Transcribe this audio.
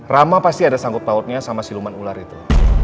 rama pasti ada sanggup pautnya sama siluman ular itu